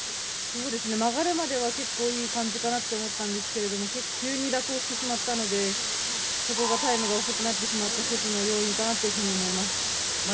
曲がるまでは結構いい感じかなと思ったんですけれども急に蛇行してしまったのでそこがタイムが遅くなってしまった１つの要因かなと思います。